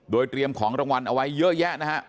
โดยเตรียมของรางวัลเอาไว้เยอะแยะนะฮะ